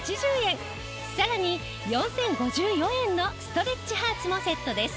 さらに４０５４円のストレッチハーツもセットです。